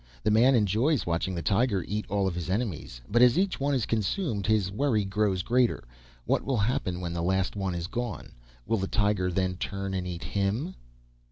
The man enjoys watching the tiger eat all of his enemies, but as each one is consumed his worry grows greater. What will happen when the last one is gone? Will the tiger then turn and eat him?